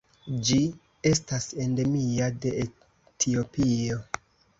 Ĝi estas endemia de Etiopio.